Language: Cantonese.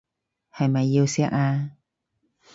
係咪要錫啊？